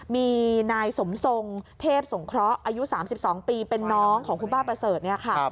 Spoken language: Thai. มีนายสมทรงเทพสงเคราะห์อายุ๓๒ปีเป็นน้องของคุณป้าประเสริฐเนี่ยค่ะ